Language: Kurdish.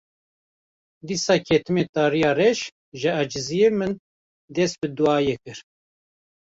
Dîsa ketime tariya reş, ji eciziyê min dest bi duayê kir